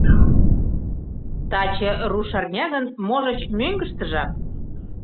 — Таче рушарня гын, можыч, мӧҥгыштыжак.